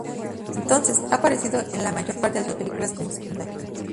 Desde entonces, ha aparecido en la mayor parte de sus películas como secundario.